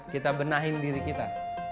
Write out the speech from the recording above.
kita benahin diri kita